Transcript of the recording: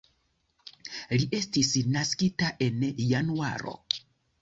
Li estis naskita en Januaro.